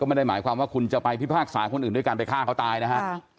ไม่ได้หมายความว่าคุณจะไปพิพากษาคนอื่นด้วยการไปฆ่าเขาตายนะฮะ